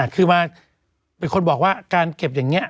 คือมาเป็นคนบอกว่าการเก็บอย่างนี้